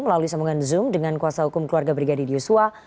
melalui sambungan zoom dengan kuasa hukum keluarga brigadir yosua